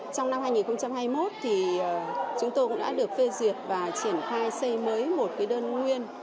trong năm hai nghìn hai mươi một thì chúng tôi cũng đã được phê duyệt và triển khai xây mới một đơn nguyên